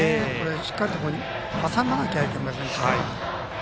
しっかりと挟まなきゃいけませんから。